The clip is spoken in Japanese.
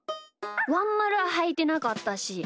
ワンまるははいてなかったし。